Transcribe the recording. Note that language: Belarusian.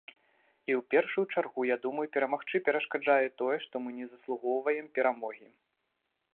І ў першую чаргу, я думаю, перамагчы перашкаджае тое, што мы не заслугоўваем перамогі.